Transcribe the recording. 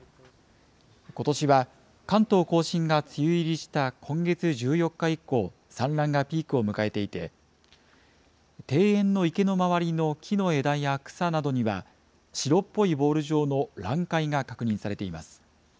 ことしは、関東甲信が梅雨入りした今月１４日以降、産卵がピークを迎えていて、庭園の池の周りの木の枝や草などには、白っぽいボール状の卵塊が確認されています。